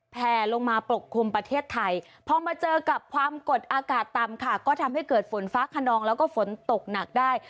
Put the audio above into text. แผลลงมาปกคลุมประเทศไทยพอมาเจอกับความกดอากาศต่ำค่ะก็ทำให้เกิดฝนฟ้าขนองแล้วก็ฝนตกหนักได้